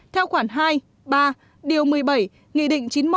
theo khoản hai ba điều một mươi bảy nghị định chín mươi một năm hai nghìn một mươi chín